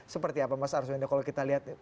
seperti apa mas arswendo kalau kita lihat